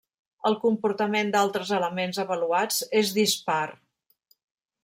El comportament d'altres elements avaluats és dispar.